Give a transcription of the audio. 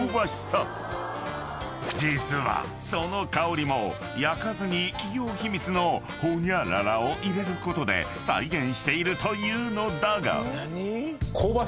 ［実はその香りも焼かずに企業秘密のホニャララを入れることで再現しているというのだが］